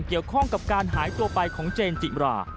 เกี่ยวข้องกับการหายตัวไปของเจนจิมรา